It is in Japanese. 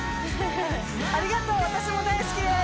ありがとう私も大好きです！